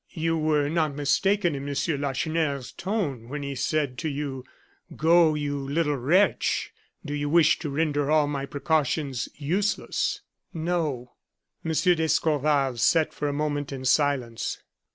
"You were not mistaken in Monsieur Lacheneur's tone when he said to you: 'Go, you little wretch! do you wish to render all my precautions useless?'" "No." M. d'Escorval sat for a moment in silence.